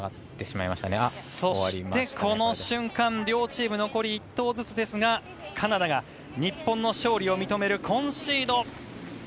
そしてこの瞬間、両チーム残り１投ずつですが、カナダが日本の勝利を認めるコンシード。